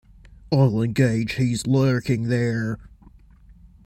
I’ll engage he’s lurking there.